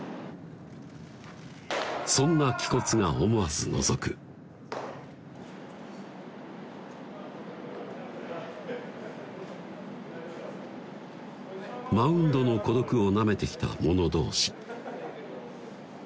そんな気骨が思わずのぞくマウンドの孤独をなめてきた者同士